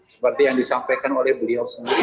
seperti yang disampaikan oleh beliau sendiri